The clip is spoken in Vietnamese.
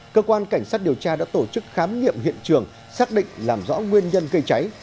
cơ quan cảnh sát điều tra đã tổ chức khám nghiệm hiện trường xác định làm rõ nguyên nhân gây cháy